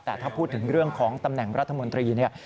แต่ถ้าพูดถึงเรื่องของตำแหน่งรัฐมนตรีเนี่ย